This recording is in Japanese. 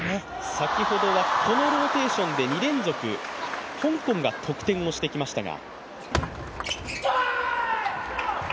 先ほどはこのローテーションで２連続香港が得点をしてきましたが。